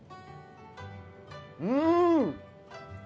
うん！